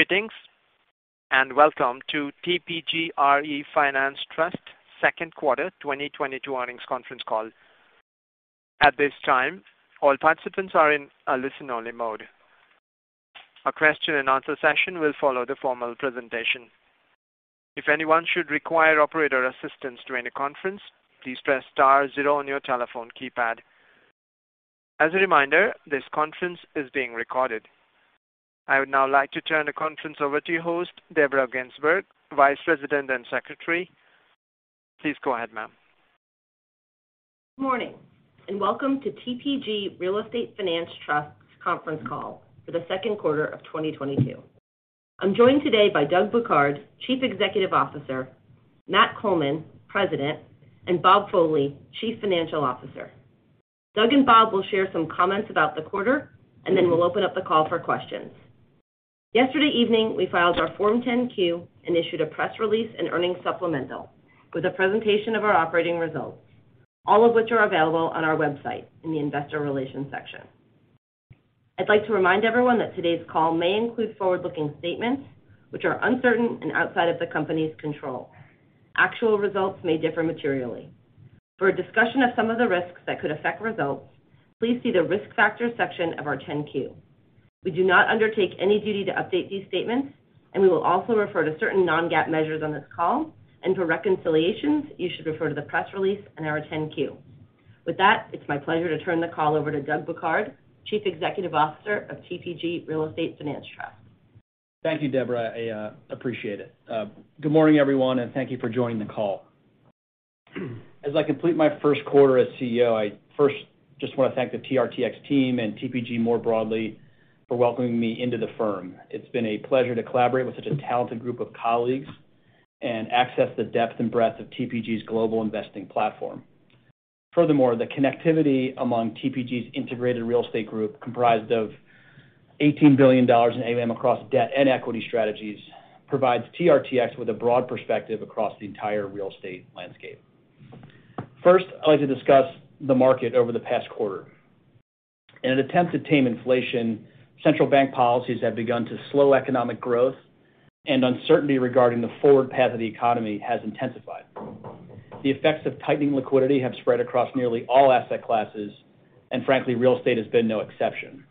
Greetings, and welcome to TPG RE Finance Trust second quarter 2022 earnings conference call. At this time, all participants are in a listen-only mode. A question and answer session will follow the formal presentation. If anyone should require operator assistance during the conference, please press star zero on your telephone keypad. As a reminder, this conference is being recorded. I would now like to turn the conference over to your host, Deborah Ginsberg, Vice President and Secretary. Please go ahead, ma'am. Good morning, and welcome to TPG RE Finance Trust conference call for the second quarter of 2022. I'm joined today by Doug Bouquard, Chief Executive Officer, Matt Coleman, President, and Bob Foley, Chief Financial Officer. Doug and Bob will share some comments about the quarter, and then we'll open up the call for questions. Yesterday evening, we filed our Form 10-Q and issued a press release and earnings supplemental with a presentation of our operating results, all of which are available on our website in the investor relations section. I'd like to remind everyone that today's call may include forward-looking statements which are uncertain and outside of the company's control. Actual results may differ materially. For a discussion of some of the risks that could affect results, please see the risk factors section of our 10-Q. We do not undertake any duty to update these statements, and we will also refer to certain non-GAAP measures on this call. For reconciliations, you should refer to the press release and our 10-Q. With that, it's my pleasure to turn the call over to Doug Bouquard, Chief Executive Officer of TPG RE Finance Trust. Thank you, Deborah. I appreciate it. Good morning, everyone, and thank you for joining the call. As I complete my first quarter as CEO, I first just want to thank the TRTX team and TPG more broadly for welcoming me into the firm. It's been a pleasure to collaborate with such a talented group of colleagues and access the depth and breadth of TPG's global investing platform. Furthermore, the connectivity among TPG's integrated real estate group, comprised of $18 billion in AUM across debt and equity strategies, provides TRTX with a broad perspective across the entire real estate landscape. First, I'd like to discuss the market over the past quarter. In an attempt to tame inflation, central bank policies have begun to slow economic growth, and uncertainty regarding the forward path of the economy has intensified. The effects of tightening liquidity have spread across nearly all asset classes, and frankly, real estate has been no exception.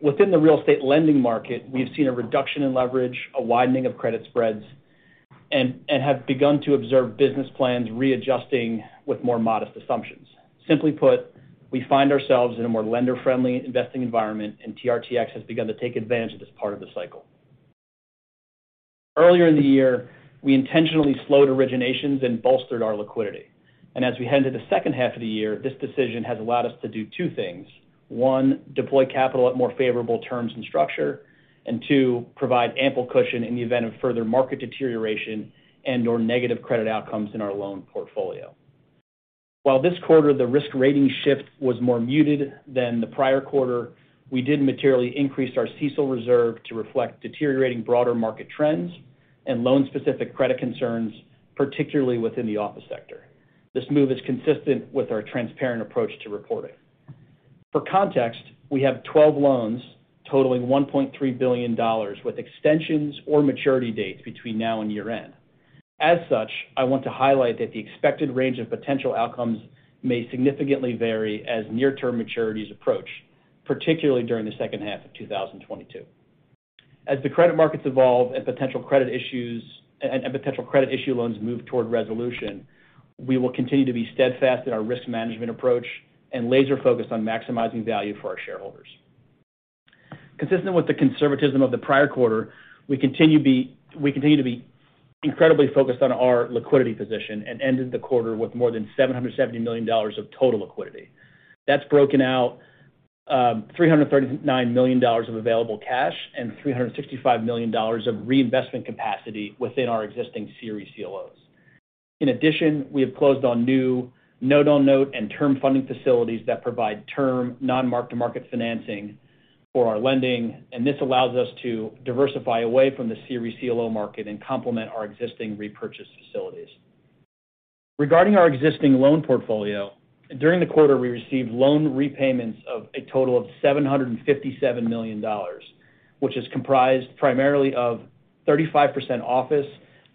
Within the real estate lending market, we have seen a reduction in leverage, a widening of credit spreads, and have begun to observe business plans readjusting with more modest assumptions. Simply put, we find ourselves in a more lender-friendly investing environment, and TRTX has begun to take advantage of this part of the cycle. Earlier in the year, we intentionally slowed originations and bolstered our liquidity. As we head into the second half of the year, this decision has allowed us to do two things. One, deploy capital at more favorable terms and structure. Two, provide ample cushion in the event of further market deterioration and/or negative credit outcomes in our loan portfolio. While this quarter the risk rating shift was more muted than the prior quarter, we did materially increase our CECL reserve to reflect deteriorating broader market trends and loan-specific credit concerns, particularly within the office sector. This move is consistent with our transparent approach to reporting. For context, we have 12 loans totaling $1.3 billion with extensions or maturity dates between now and year-end. As such, I want to highlight that the expected range of potential outcomes may significantly vary as near-term maturities approach, particularly during the second half of 2022. As the credit markets evolve and potential credit issue loans move toward resolution, we will continue to be steadfast in our risk management approach and laser-focused on maximizing value for our shareholders. Consistent with the conservatism of the prior quarter, we continue to be incredibly focused on our liquidity position and ended the quarter with more than $770 million of total liquidity. That's broken out, $339 million of available cash and $365 million of reinvestment capacity within our existing CRE CLOs. In addition, we have closed on new note-on-note and term funding facilities that provide term non-mark-to-market financing for our lending, and this allows us to diversify away from the CRE CLO market and complement our existing repurchase facilities. Regarding our existing loan portfolio, during the quarter we received loan repayments of a total of $757 million, which is comprised primarily of 35% office,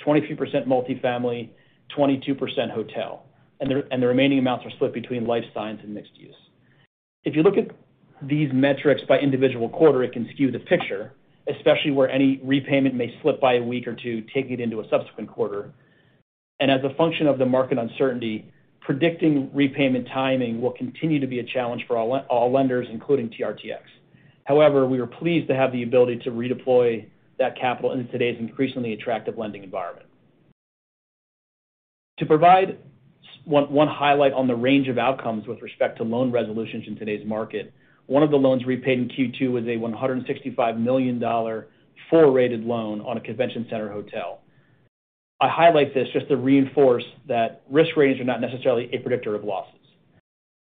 23% multifamily, 22% hotel. The remaining amounts are split between life science and mixed use. If you look at these metrics by individual quarter, it can skew the picture, especially where any repayment may slip by a week or two, taking it into a subsequent quarter. As a function of the market uncertainty, predicting repayment timing will continue to be a challenge for all lenders, including TRTX. However, we are pleased to have the ability to redeploy that capital in today's increasingly attractive lending environment. To provide one highlight on the range of outcomes with respect to loan resolutions in today's market, one of the loans repaid in Q2 was a $165 million four-rated loan on a convention center hotel. I highlight this just to reinforce that risk ratings are not necessarily a predictor of losses.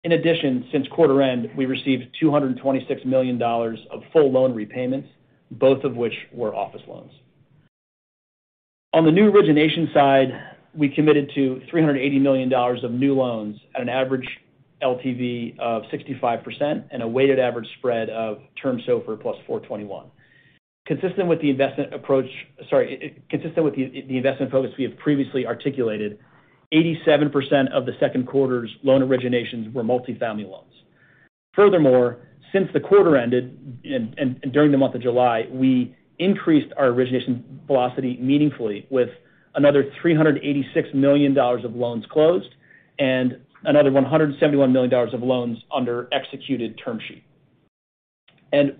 In addition, since quarter end, we received $226 million of full loan repayments, both of which were office loans. On the new origination side, we committed to $380 million of new loans at an average LTV of 65% and a weighted average spread of term SOFR +421. Consistent with the investment focus we have previously articulated, 87% of the second quarter's loan originations were multifamily loans. Furthermore, since the quarter ended during the month of July, we increased our origination velocity meaningfully with another $386 million of loans closed and another $171 million of loans under executed term sheet.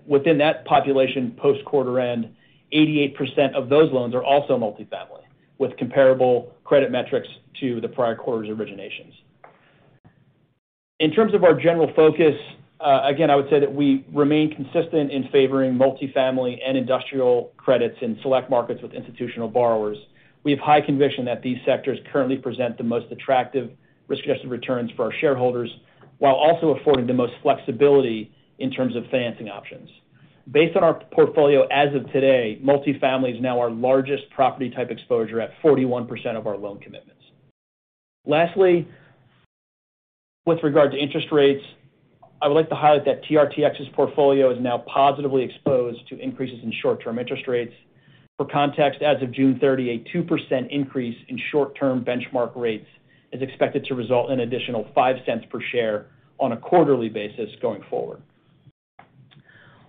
Within that population, post quarter end, 88% of those loans are also multifamily with comparable credit metrics to the prior quarter's originations. In terms of our general focus, again, I would say that we remain consistent in favoring multifamily and industrial credits in select markets with institutional borrowers. We have high conviction that these sectors currently present the most attractive risk-adjusted returns for our shareholders, while also affording the most flexibility in terms of financing options. Based on our portfolio as of today, multifamily is now our largest property type exposure at 41% of our loan commitments. Lastly, with regard to interest rates, I would like to highlight that TRTX's portfolio is now positively exposed to increases in short-term interest rates. For context, as of June 30, a 2% increase in short-term benchmark rates is expected to result in additional $0.05 per share on a quarterly basis going forward.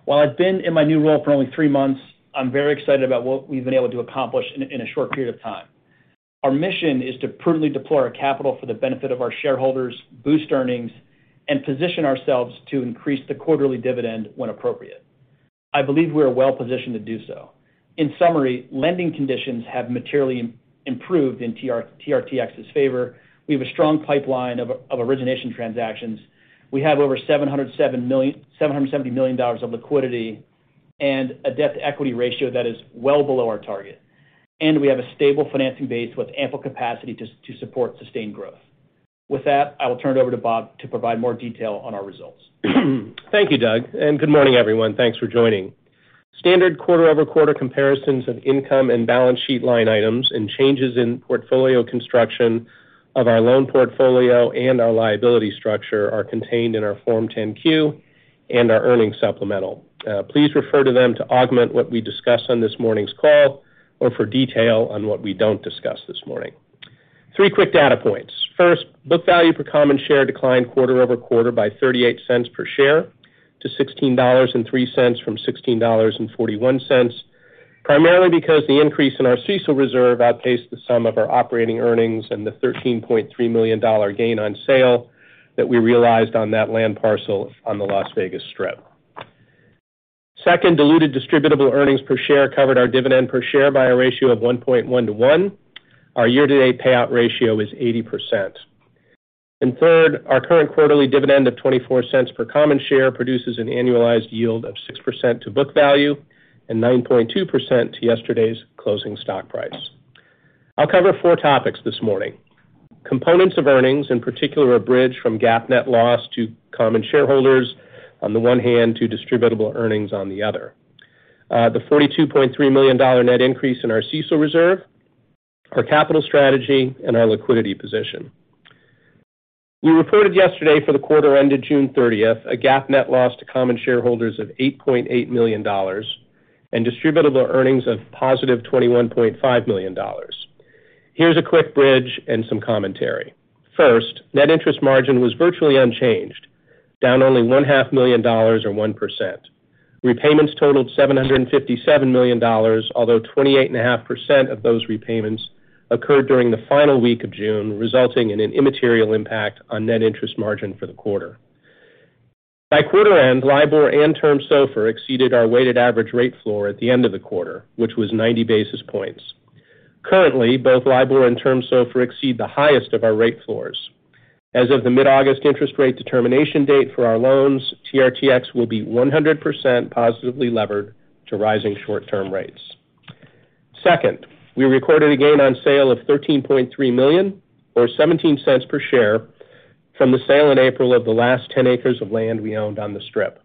While I've been in my new role for only three months, I'm very excited about what we've been able to accomplish in a short period of time. Our mission is to prudently deploy our capital for the benefit of our shareholders, boost earnings, and position ourselves to increase the quarterly dividend when appropriate. I believe we are well positioned to do so. In summary, lending conditions have materially improved in TRTX's favor. We have a strong pipeline of origination transactions. We have over $770 million of liquidity and a debt-to-equity ratio that is well below our target, and we have a stable financing base with ample capacity to support sustained growth. With that, I will turn it over to Bob to provide more detail on our results. Thank you, Doug, and good morning, everyone. Thanks for joining. Standard quarter-over-quarter comparisons of income and balance sheet line items and changes in portfolio construction of our loan portfolio and our liability structure are contained in our Form 10-Q and our earnings supplemental. Please refer to them to augment what we discuss on this morning's call or for detail on what we don't discuss this morning. Three quick data points. First, book value per common share declined quarter-over-quarter by $0.38 per share to $16.03 from $16.41, primarily because the increase in our CECL reserve outpaced the sum of our operating earnings and the $13.3 million gain on sale that we realized on that land parcel on the Las Vegas Strip. Second, diluted distributable earnings per share covered our dividend per share by a ratio of 1.1 to 1. Our year-to-date payout ratio is 80%. Third, our current quarterly dividend of $0.24 per common share produces an annualized yield of 6% to book value and 9.2% to yesterday's closing stock price. I'll cover four topics this morning. Components of earnings, in particular, a bridge from GAAP net loss to common shareholders on the one hand, to distributable earnings on the other. The $42.3 million net increase in our CECL reserve, our capital strategy, and our liquidity position. We reported yesterday for the quarter ended June 30, a GAAP net loss to common shareholders of $8.8 million and distributable earnings of +$21.5 million. Here's a quick bridge and some commentary. First, net interest margin was virtually unchanged, down only $0.5 Million or 1%. Repayments totaled $757 million, although 28.5% of those repayments occurred during the final week of June, resulting in an immaterial impact on net interest margin for the quarter. By quarter end, LIBOR and term SOFR exceeded our weighted average rate floor at the end of the quarter, which was 90 basis points. Currently, both LIBOR and term SOFR exceed the highest of our rate floors. As of the mid-August interest rate determination date for our loans, TRTX will be 100% positively levered to rising short-term rates. Second, we recorded a gain on sale of $13.3 million or $0.17 per share from the sale in April of the last 10 acres of land we owned on the Strip.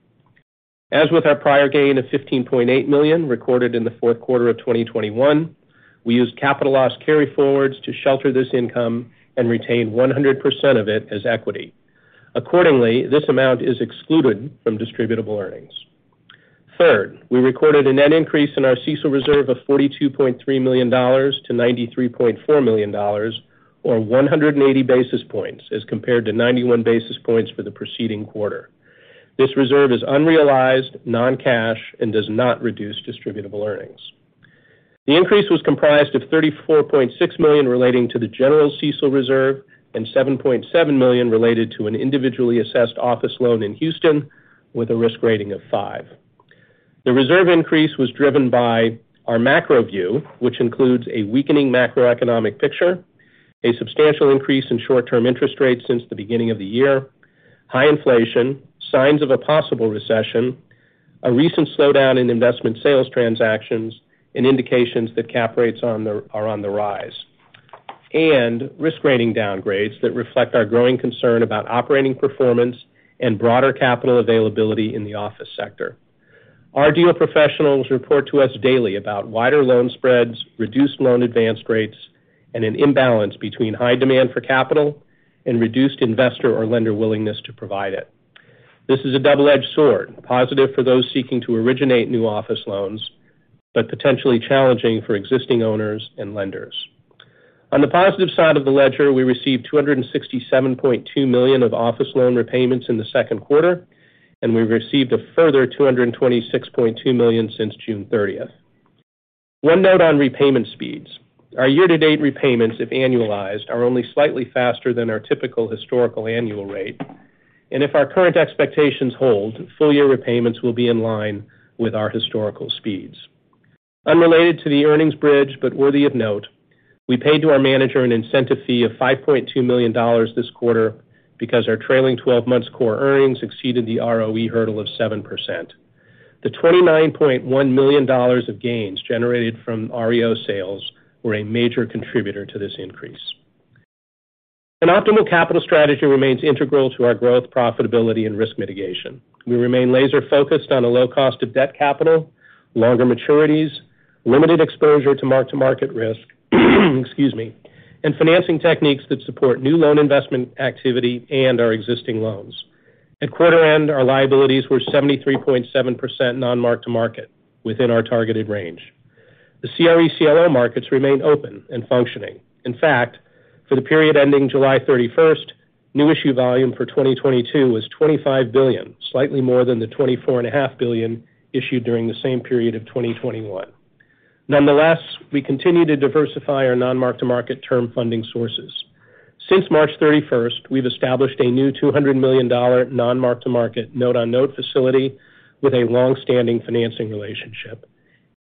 As with our prior gain of $15.8 million recorded in the fourth quarter of 2021, we used capital loss carryforwards to shelter this income and retain 100% of it as equity. Accordingly, this amount is excluded from distributable earnings. Third, we recorded a net increase in our CECL reserve of $42.3 million to $93.4 million or 180 basis points as compared to 91 basis points for the preceding quarter. This reserve is unrealized, non-cash, and does not reduce distributable earnings. The increase was comprised of $34.6 million relating to the general CECL reserve and $7.7 million related to an individually assessed office loan in Houston with a risk rating of five. The reserve increase was driven by our macro view, which includes a weakening macroeconomic picture, a substantial increase in short-term interest rates since the beginning of the year, high inflation, signs of a possible recession, a recent slowdown in investment sales transactions, and indications that cap rates are on the rise. Risk rating downgrades that reflect our growing concern about operating performance and broader capital availability in the office sector. Our deal professionals report to us daily about wider loan spreads, reduced loan advance rates, and an imbalance between high demand for capital and reduced investor or lender willingness to provide it. This is a double-edged sword, positive for those seeking to originate new office loans, but potentially challenging for existing owners and lenders. On the positive side of the ledger, we received $267.2 million of office loan repayments in the second quarter, and we've received a further $226.2 million since June 30. One note on repayment speeds. Our year-to-date repayments, if annualized, are only slightly faster than our typical historical annual rate. If our current expectations hold, full-year repayments will be in line with our historical speeds. Unrelated to the earnings bridge, but worthy of note, we paid to our manager an incentive fee of $5.2 million this quarter because our trailing twelve months core earnings exceeded the ROE hurdle of 7%. The $29.1 million of gains generated from REO sales were a major contributor to this increase. An optimal capital strategy remains integral to our growth, profitability, and risk mitigation. We remain laser-focused on a low cost of debt capital, longer maturities, limited exposure to mark-to-market risk, excuse me, and financing techniques that support new loan investment activity and our existing loans. At quarter end, our liabilities were 73.7% non-mark-to-market within our targeted range. The CRE CLO markets remain open and functioning. In fact, for the period ending July 31, new issue volume for 2022 was $25 billion, slightly more than the $24.5 billion issued during the same period of 2021. Nonetheless, we continue to diversify our non-mark-to-market term funding sources. Since March 31, we've established a new $200 million non-mark-to-market note-on-note facility with a long-standing financing relationship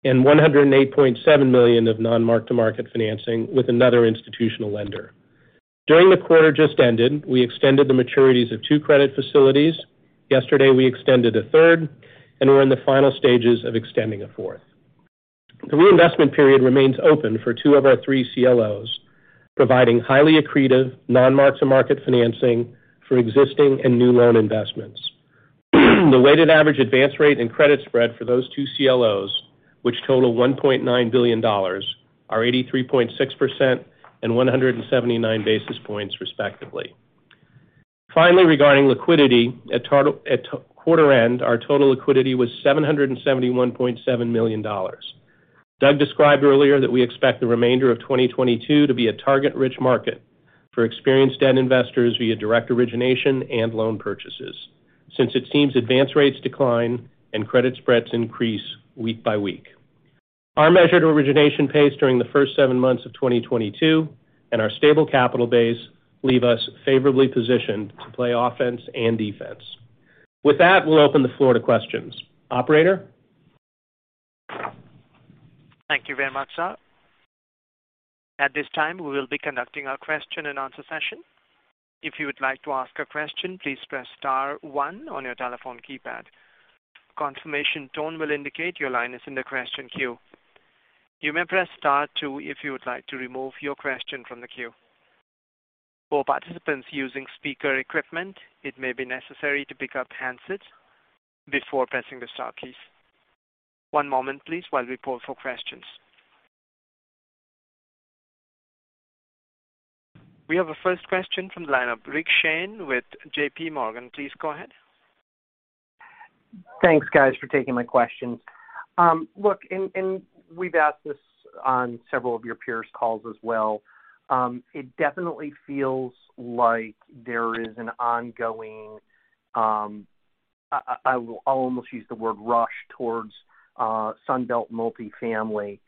and $108.7 million of non-mark-to-market financing with another institutional lender. During the quarter just ended, we extended the maturities of two credit facilities. Yesterday, we extended a third, and we're in the final stages of extending a fourth. The reinvestment period remains open for two of our three CLOs, providing highly accretive non-mark-to-market financing for existing and new loan investments. The weighted average advance rate and credit spread for those two CLOs, which total $1.9 billion, are 83.6% and 179 basis points, respectively. Finally, regarding liquidity, at quarter end, our total liquidity was $771.7 million. Doug described earlier that we expect the remainder of 2022 to be a target-rich market for experienced debt investors via direct origination and loan purchases since it seems advance rates decline and credit spreads increase week by week. Our measured origination pace during the first seven months of 2022 and our stable capital base leave us favorably positioned to play offense and defense. With that, we'll open the floor to questions. Operator? Thank you very much, sir. At this time, we will be conducting our question and answer session. If you would like to ask a question, please press star one on your telephone keypad. Confirmation tone will indicate your line is in the question queue. You may press star two if you would like to remove your question from the queue. For participants using speaker equipment, it may be necessary to pick up handsets before pressing the star keys. One moment please while we poll for questions. We have a first question from the line of Rick Shane with JPMorgan. Please go ahead. Thanks, guys, for taking my questions. Look, we've asked this on several of your peers' calls as well. It definitely feels like there is an ongoing, I will almost use the word rush towards Sunbelt multifamily.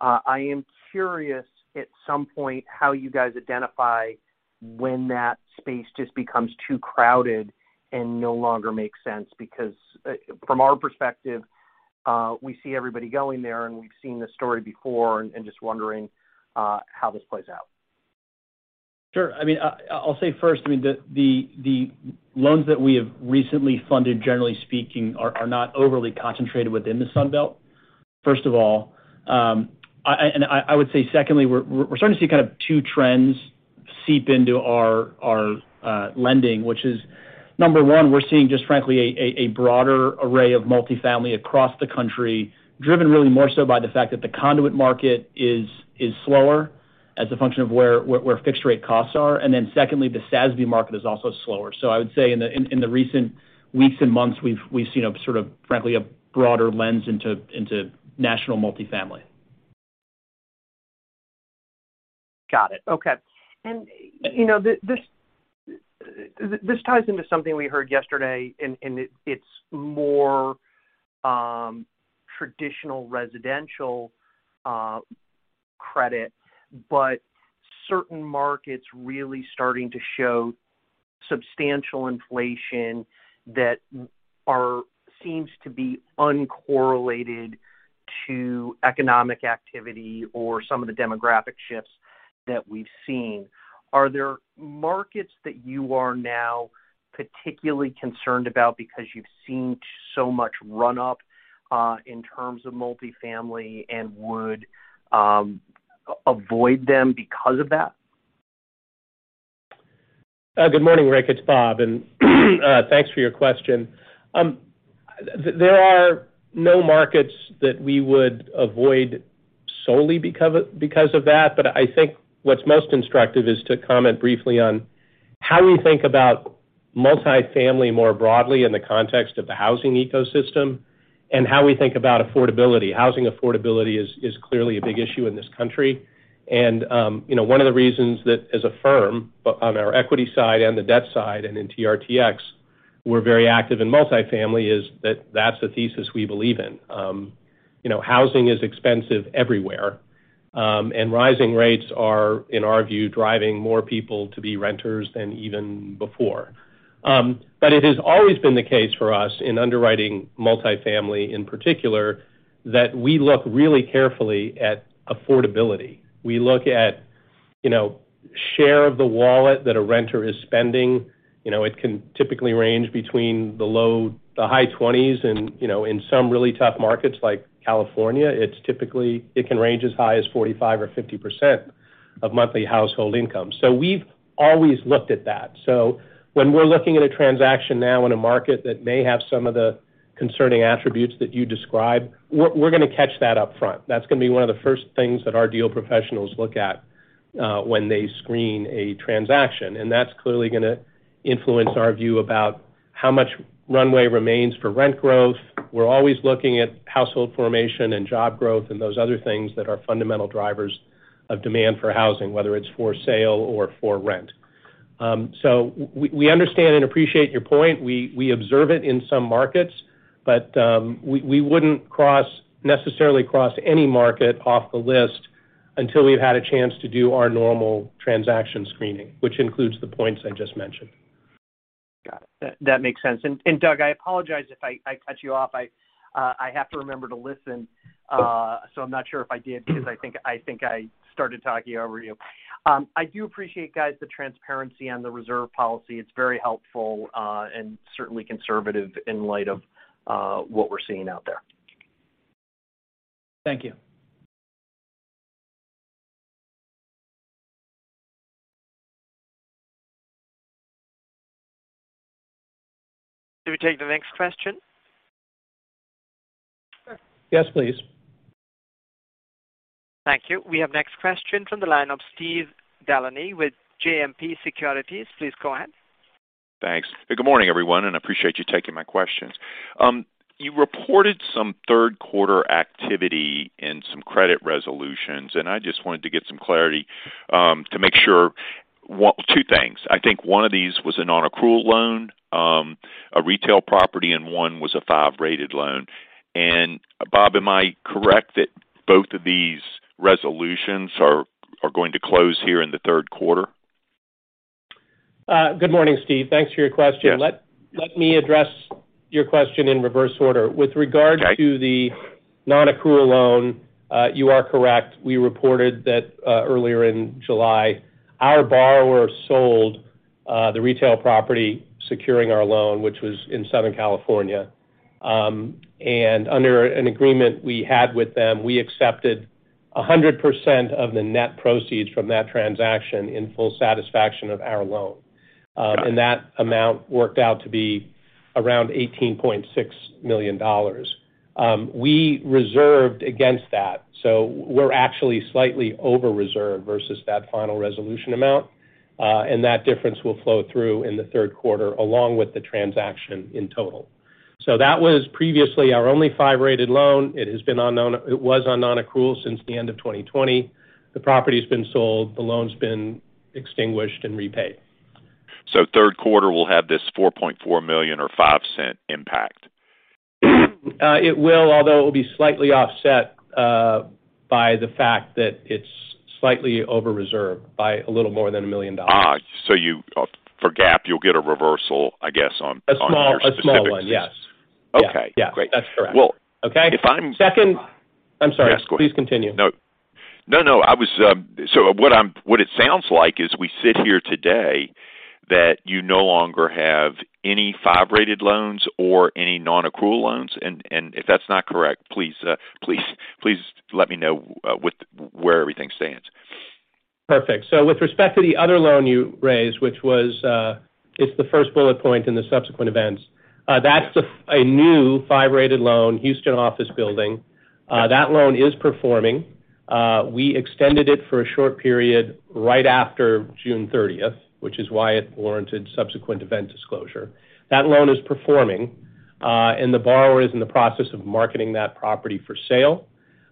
I am curious at some point how you guys identify when that space just becomes too crowded and no longer makes sense, because from our perspective, we see everybody going there, and we've seen this story before and just wondering how this plays out. Sure. I mean, I'll say first, I mean, the loans that we have recently funded, generally speaking, are not overly concentrated within the Sunbelt, first of all. I would say secondly, we're starting to see kind of two trends seep into our lending, which is number one, we're seeing just frankly a broader array of multifamily across the country, driven really more so by the fact that the conduit market is slower as a function of where fixed rate costs are. Secondly, the SASB market is also slower. I would say in the recent weeks and months, we've seen a sort of frankly a broader lens into national multifamily. Got it. Okay. You know, this ties into something we heard yesterday and it's more traditional residential credit, but certain markets really starting to show substantial inflation seems to be uncorrelated to economic activity or some of the demographic shifts that we've seen. Are there markets that you are now particularly concerned about because you've seen so much run-up in terms of multifamily and would avoid them because of that? Good morning, Rick. It's Bob, and thanks for your question. There are no markets that we would avoid solely because of that. I think what's most instructive is to comment briefly on how we think about multifamily more broadly in the context of the housing ecosystem and how we think about affordability. Housing affordability is clearly a big issue in this country. You know, one of the reasons that as a firm, on our equity side and the debt side and in TRTX, we're very active in multifamily, is that that's the thesis we believe in. You know, housing is expensive everywhere, and rising rates are, in our view, driving more people to be renters than even before. It has always been the case for us in underwriting multifamily, in particular, that we look really carefully at affordability. We look at, you know, share of the wallet that a renter is spending. You know, it can typically range between the low the high 20%s and, you know, in some really tough markets like California, it's typically it can range as high as 45% or 50% of monthly household income. We've always looked at that. When we're looking at a transaction now in a market that may have some of the concerning attributes that you described, we're gonna catch that up front. That's gonna be one of the first things that our deal professionals look at when they screen a transaction. That's clearly gonna influence our view about how much runway remains for rent growth. We're always looking at household formation and job growth and those other things that are fundamental drivers of demand for housing, whether it's for sale or for rent. We understand and appreciate your point. We observe it in some markets, but we wouldn't necessarily cross any market off the list until we've had a chance to do our normal transaction screening, which includes the points I just mentioned. Got it. That makes sense. Doug, I apologize if I cut you off. I have to remember to listen, so I'm not sure if I did because I think I started talking over you. I do appreciate, guys, the transparency on the reserve policy. It's very helpful, and certainly conservative in light of what we're seeing out there. Thank you. Can we take the next question? Sure. Yes, please. Thank you. We have next question from the line of Steve DeLaney with JMP Securities. Please go ahead. Thanks. Good morning, everyone, and appreciate you taking my questions. You reported some third quarter activity and some credit resolutions, and I just wanted to get some clarity to make sure two things. I think one of these was a non-accrual loan, a retail property, and one was a five-rated loan. Bob, am I correct that both of these resolutions are going to close here in the third quarter? Good morning, Steve. Thanks for your question. Yes. Let me address your question in reverse order. Okay. With regard to the non-accrual loan, you are correct. We reported that earlier in July. Our borrower sold the retail property securing our loan, which was in Southern California. Under an agreement we had with them, we accepted 100% of the net proceeds from that transaction in full satisfaction of our loan. Got it. That amount worked out to be around $18.6 million. We reserved against that, so we're actually slightly over-reserved versus that final resolution amount. That difference will flow through in the third quarter, along with the transaction in total. That was previously our only five-rated loan. It was on non-accrual since the end of 2020. The property's been sold. The loan's been extinguished and repaid. Third quarter, we'll have this $4.4 million or $0.05 impact. It will, although it will be slightly offset, by the fact that it's slightly over-reserved by a little more than $1 million. You, for GAAP, you'll get a reversal, I guess, on your specific. A small one. Yes. Okay. Yeah. Yeah. Great. That's correct. Well- Okay? If I'm- I'm sorry. Yes, go ahead. Please continue. No. What it sounds like is we sit here today that you no longer have any five-rated loans or any non-accrual loans. If that's not correct, please let me know with where everything stands. Perfect. With respect to the other loan you raised, which was, it's the first bullet point in the subsequent events. A new five-rated loan, Houston office building. That loan is performing. We extended it for a short period right after June thirtieth, which is why it warranted subsequent event disclosure. That loan is performing, and the borrower is in the process of marketing that property for sale.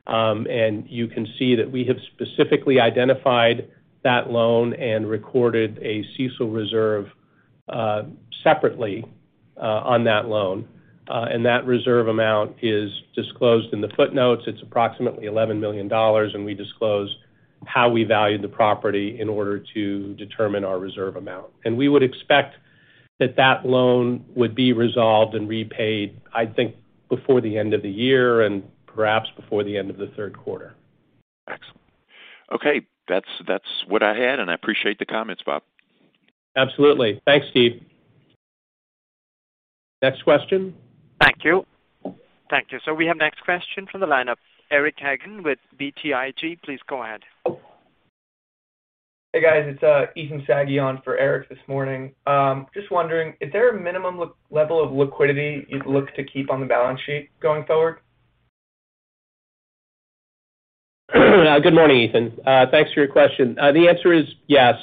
You can see that we have specifically identified that loan and recorded a CECL reserve, separately, on that loan. That reserve amount is disclosed in the footnotes. It's approximately $11 million, and we disclose how we value the property in order to determine our reserve amount. We would expect that loan would be resolved and repaid, I think, before the end of the year and perhaps before the end of the third quarter. Excellent. Okay. That's what I had, and I appreciate the comments, Bob. Absolutely. Thanks, Steve. Next question. Thank you. Thank you. We have next question from the lineup. Eric Hagen with BTIG. Please go ahead. Hey, guys. It's Ethan Saggion for Eric this morning. Just wondering, is there a minimum level of liquidity you'd look to keep on the balance sheet going forward? Good morning, Ethan. Thanks for your question. The answer is yes.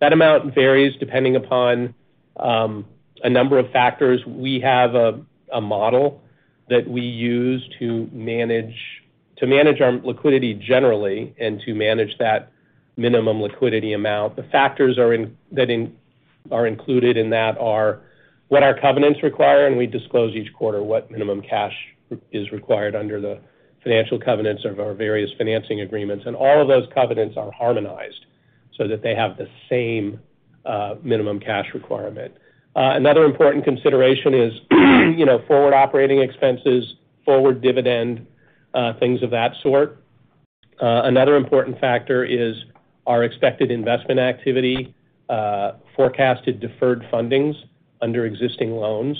That amount varies depending upon a number of factors. We have a model that we use to manage our liquidity generally and to manage that minimum liquidity amount. The factors that are included in that are what our covenants require, and we disclose each quarter what minimum cash is required under the financial covenants of our various financing agreements. All of those covenants are harmonized so that they have the same minimum cash requirement. Another important consideration is, you know, forward operating expenses, forward dividend, things of that sort. Another important factor is our expected investment activity, forecasted deferred fundings under existing loans.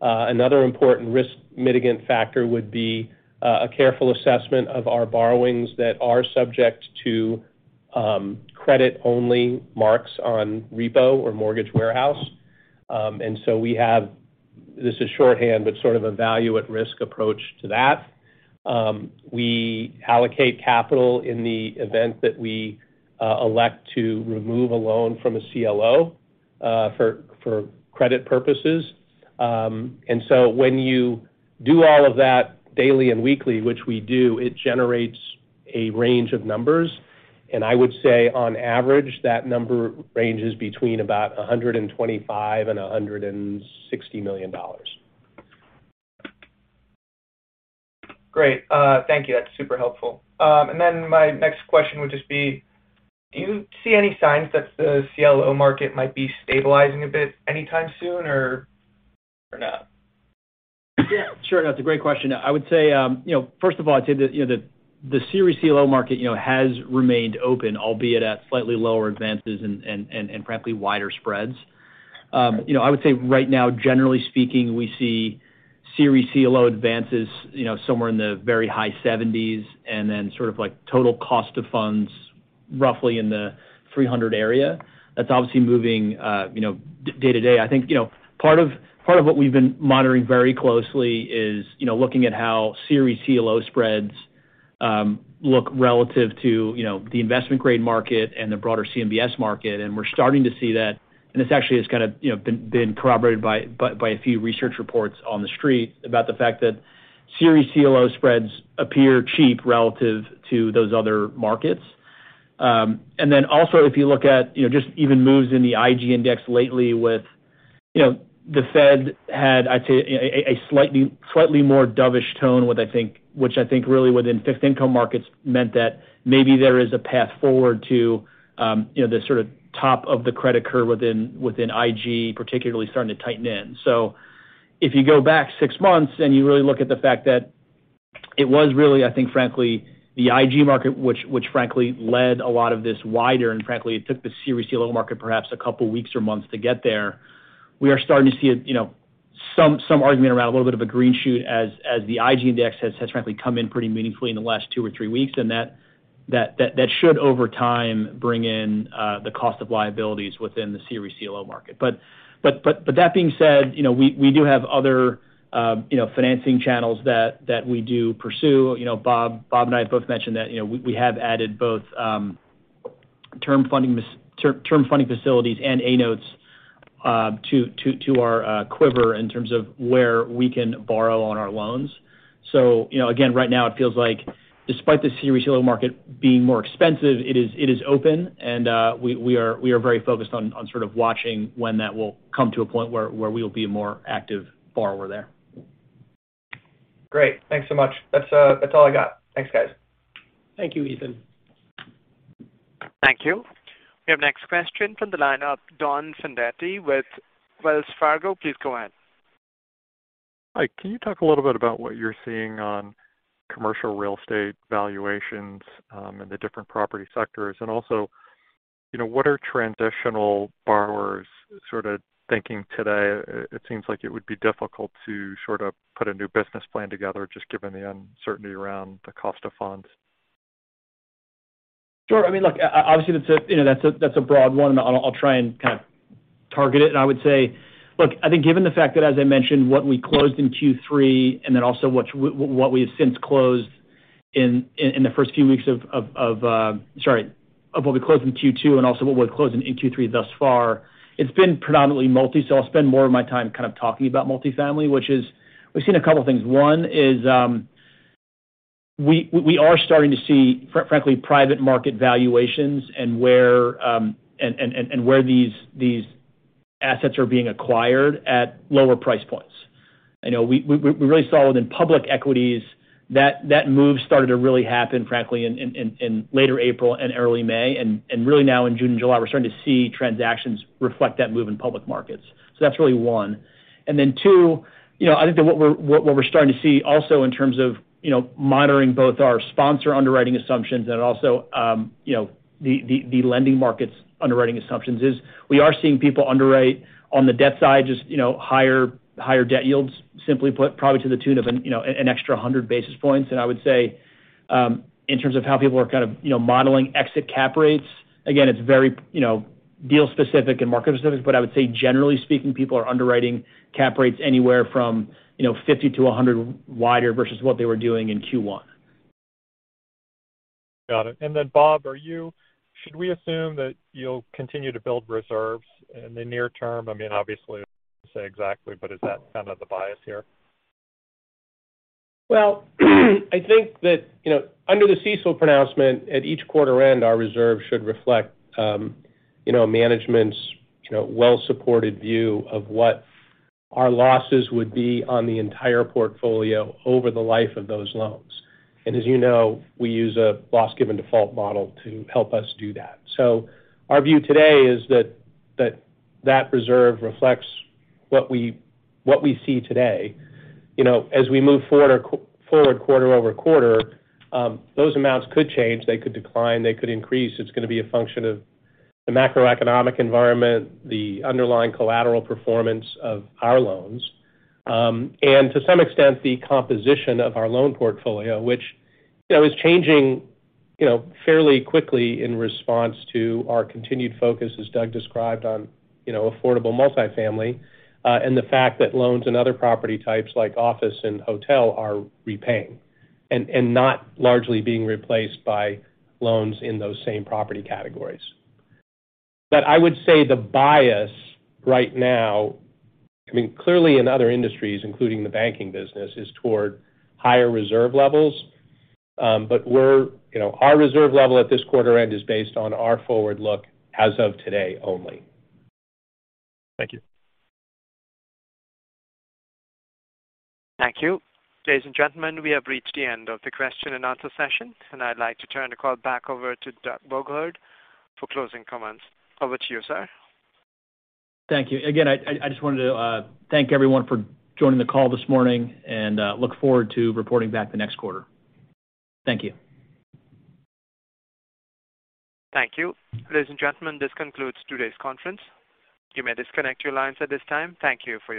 Another important risk mitigant factor would be a careful assessment of our borrowings that are subject to credit only marks on repo or mortgage warehouse. This is shorthand, but sort of a value at risk approach to that. We allocate capital in the event that we elect to remove a loan from a CLO for credit purposes. When you do all of that daily and weekly, which we do, it generates a range of numbers. I would say on average, that number ranges between about $125 million and $160 million. Great. Thank you. That's super helpful. My next question would just be: Do you see any signs that the CLO market might be stabilizing a bit anytime soon or not? Yeah, sure. That's a great question. I would say, you know, first of all, I'd say that, you know, the CRE CLO market, you know, has remained open, albeit at slightly lower advances and frankly, wider spreads. You know, I would say right now, generally speaking, we see CRE CLO advances, you know, somewhere in the very high seventies and then sort of like total cost of funds, roughly in the three hundred area. That's obviously moving, you know, day-to-day. I think, you know, part of what we've been monitoring very closely is, you know, looking at how CRE CLO spreads look relative to, you know, the investment grade market and the broader CMBS market. We're starting to see that. This actually has kinda, you know, been corroborated by a few research reports on the Street about the fact that CRE CLO spreads appear cheap relative to those other markets. Then also if you look at, you know, just even moves in the IG Index lately with, you know, the Fed had, I'd say a slightly more dovish tone, which I think really within fixed income markets meant that maybe there is a path forward to, you know, the sort of top of the credit curve within IG, particularly starting to tighten in. If you go back six months and you really look at the fact that it was really, I think, frankly, the IG market, which frankly led a lot of this widening, and frankly, it took the securitized CLO market perhaps a couple weeks or months to get there. We are starting to see, you know, some argument around a little bit of a green shoot as the IG Index has frankly come in pretty meaningfully in the last two or three weeks, and that should over time bring in the cost of liabilities within the securitized CLO market. But that being said, you know, we do have other, you know, financing channels that we do pursue. You know, Bob and I have both mentioned that, you know, we have added both term funding facilities and A notes to our quiver in terms of where we can borrow on our loans. You know, again, right now it feels like despite the senior CLO market being more expensive, it is open and we are very focused on sort of watching when that will come to a point where we will be a more active borrower there. Great. Thanks so much. That's all I got. Thanks, guys. Thank you, Ethan. Thank you. We have next question from the lineup. Don Fandetti with Wells Fargo. Please go ahead. Hi. Can you talk a little bit about what you're seeing on commercial real estate valuations, and the different property sectors? Also, you know, what are transitional borrowers sorta thinking today? It seems like it would be difficult to sort of put a new business plan together just given the uncertainty around the cost of funds. Sure. I mean, look, obviously, that's a, you know, that's a broad one. I'll try and kinda target it. I would say. Look, I think given the fact that, as I mentioned, what we closed in Q3 and then also what we have since closed in the first few weeks of what we closed in Q2 and also what we've closed in Q3 thus far, it's been predominantly multi. I'll spend more of my time kind of talking about multifamily, which is we've seen a couple of things. One is, we are starting to see frankly, private market valuations and where, and where these assets are being acquired at lower price points. I know we really saw it in public equities that that move started to really happen, frankly, in later April and early May. Really now in June and July, we're starting to see transactions reflect that move in public markets. That's really one. Two, you know, I think that what we're starting to see also in terms of, you know, monitoring both our sponsor underwriting assumptions and also, you know, the lending markets underwriting assumptions is we are seeing people underwrite on the debt side, just, you know, higher debt yields, simply put, probably to the tune of an, you know, an extra 100 basis points. I would say, in terms of how people are kind of, you know, modeling exit cap rates, again, it's very, you know, deal specific and market specific. I would say generally speaking, people are underwriting cap rates anywhere from, you know, 50 to 100 wider versus what they were doing in Q1. Got it. Bob, should we assume that you'll continue to build reserves in the near term? I mean, obviously can't say exactly, but is that kind of the bias here? Well, I think that, you know, under the CECL pronouncement at each quarter end, our reserve should reflect, you know, management's, you know, well-supported view of what our losses would be on the entire portfolio over the life of those loans. As you know, we use a loss given default model to help us do that. Our view today is that that reserve reflects what we see today. You know, as we move forward quarter-over-quarter, those amounts could change, they could decline, they could increase. It's gonna be a function of the macroeconomic environment, the underlying collateral performance of our loans, and to some extent, the composition of our loan portfolio, which, you know, is changing, you know, fairly quickly in response to our continued focus, as Doug described on, you know, affordable multifamily. The fact that loans and other property types like office and hotel are repaying and not largely being replaced by loans in those same property categories. I would say the bias right now, I mean, clearly in other industries, including the banking business, is toward higher reserve levels. We're, you know, our reserve level at this quarter end is based on our forward look as of today only. Thank you. Thank you. Ladies and gentlemen, we have reached the end of the question and answer session, and I'd like to turn the call back over to Doug Bouquard for closing comments. Over to you, sir. Thank you. Again, I just wanted to thank everyone for joining the call this morning and look forward to reporting back the next quarter. Thank you. Thank you. Ladies and gentlemen, this concludes today's conference. You may disconnect your lines at this time. Thank you for your participation.